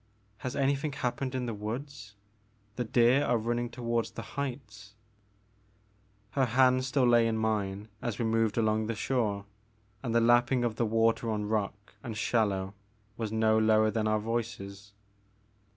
Has anything happened in the woods ? The deer are running toward the heights/' Her hand still lay in mine as we moved along the shore, and the lapping of the water on rock and shallow was no lower than our voices.